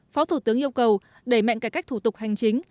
phó thủ tướng yêu cầu đẩy mạnh cải cách thủ tục hành chính